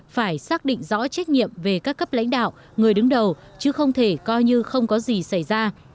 phải xác định rõ trách nhiệm về các cấp lãnh đạo người đứng đầu chứ không thể coi như không có gì xảy ra